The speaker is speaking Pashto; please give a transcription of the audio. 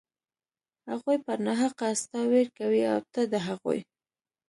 هغوى پر ناحقه ستا وير کوي او ته د هغوى.